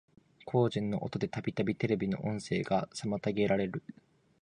工事の音でたびたびテレビの音声が遮られる